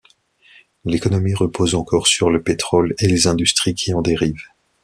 L'économie repose encore sur le pétrole et les industries qui en dérivent.